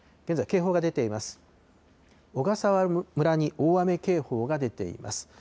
現在、警報が出ています。